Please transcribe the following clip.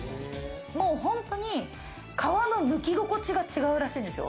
本当に皮のむき心地が違うらしいんですよ。